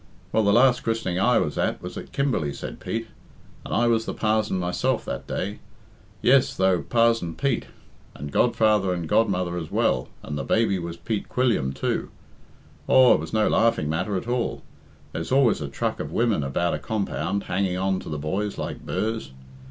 "Well, the last christening I was at was at Kimberley," said Pete, "and I was the parzon myself that day. Yes, though, Parzon Pete. And godfather and godmother as well, and the baby was Peter Quilliam, too. Aw, it was no laughing matter at all. There's always a truck of women about a compound, hanging on to the boys like burrs.